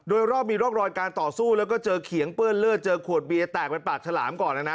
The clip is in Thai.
โดยรอบมีร่องรอยการต่อสู้แล้วก็เจอเขียงเปื้อนเลือดเจอขวดเบียร์แตกเป็นปากฉลามก่อนนะนะ